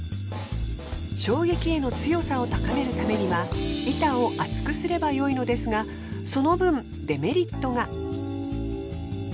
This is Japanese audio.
衝撃への強さを高めるためには板を厚くすればよいのですがその分デメリットが。